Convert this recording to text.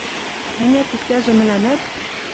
Ӓнят, иктӓжӹ мӹлӓмӓт